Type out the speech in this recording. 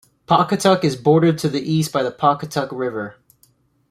Pawcatuck is bordered to the east by the Pawcatuck River.